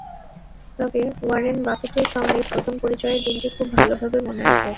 তবে ওয়ারেন বাফেটের সঙ্গে প্রথম পরিচয়ের দিনটি খুব ভালোভাবে মনে আছে।